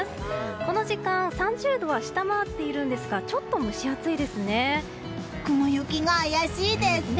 この時間、３０度は下回っているんですが雲行きが怪しいです。